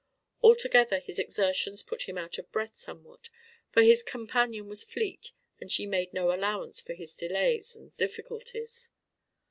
Altogether his exertions put him out of breath somewhat, for his companion was fleet and she made no allowance for his delays and difficulties.